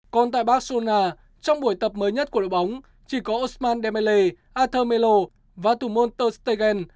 còn tại barcelona trong buổi tập mới nhất của đội bóng chỉ có ousmane dembele arthur melo và tumon ter stegen